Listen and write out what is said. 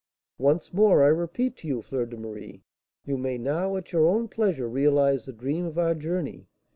Once more I repeat to you, Fleur de Marie, you may now at your own pleasure realise the dream of our journey.